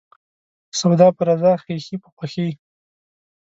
سوداپه رضا ، خيښي په خوښي.